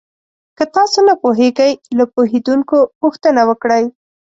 که تاسو نه پوهېږئ، له پوهېدونکو پوښتنه وکړئ.